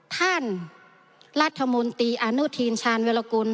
ท่านรัฐมนตรีอนุทีนชาญวิรากุล